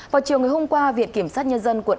vào chiều ngày hôm qua viện kiểm sát nhân dân quận